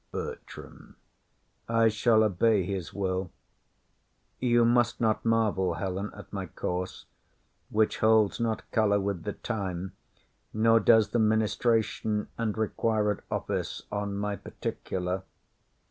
BERTRAM. I shall obey his will. You must not marvel, Helen, at my course, Which holds not colour with the time, nor does The ministration and required office On my particular.